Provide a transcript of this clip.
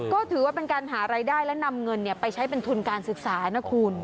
ก็ถือว่าเป็นการหารายได้และนำเงินไปใช้เป็นทุนการศึกษานะคุณ